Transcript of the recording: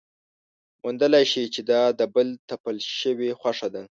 موندلی شي چې دا د بل تپل شوې خوښه ده.